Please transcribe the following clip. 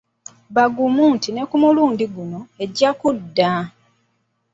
Bagumu nti ne ku mulundi guno ejja kudda.